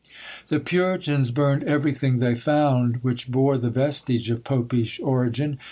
The puritans burned everything they found which bore the vestige of popish origin.